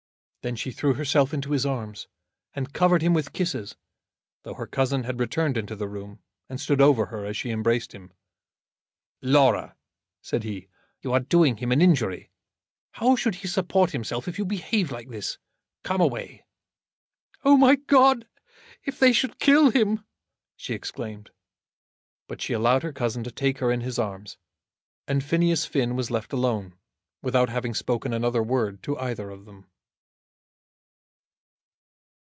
Then she threw herself into his arms, and covered him with kisses, though her cousin had returned into the room and stood over her as she embraced him. "Laura," said he, "you are doing him an injury. How should he support himself if you behave like this! Come away." "Oh, my God, if they should kill him!" she exclaimed. But she allowed her cousin to take her in his arms, and Phineas Finn was left alone without having spoken another word to either of them.